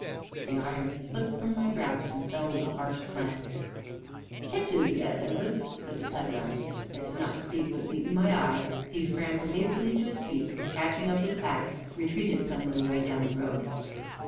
The irons slipped from my grasp, and fell with a harsh clang. "Ketches ye, does it?" said the Pedler. I did not speak, but, meeting my eye, he scrambled hastily to his feet, and, catching up his pack, retreated some little way down the road.